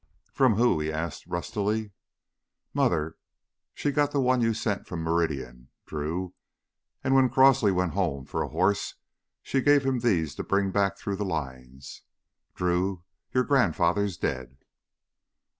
"From who?" he asked rustily. "Mother. She got the one you sent from Meridian, Drew! And when Crosely went home for a horse she gave him these to bring back through the lines. Drew, your grandfather's dead...."